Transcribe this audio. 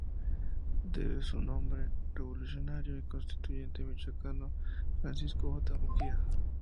Debe su nombre al revolucionario y constituyente michoacano Francisco J. Múgica.